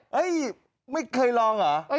ไม่เคยลองเหรอ